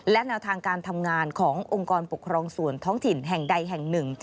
และแนวทางการทำงานขององค์กรปกครองส่วนท้องถิ่นแห่งใดแห่งหนึ่ง